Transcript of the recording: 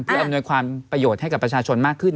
เพื่ออำนวยความประโยชน์ให้กับประชาชนมากขึ้น